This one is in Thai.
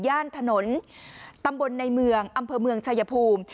ย่านถนนตำบลในเมืองอำเภอเมืองชายภูมิ